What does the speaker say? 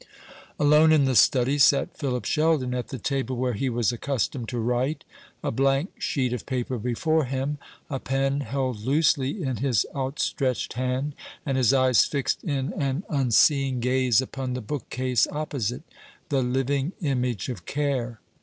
Alone in the study sat Philip Sheldon, at the table where he was accustomed to write a blank sheet of paper before him, a pen held loosely in his outstretched hand, and his eyes fixed in an unseeing gaze upon the bookcase opposite the living image of care.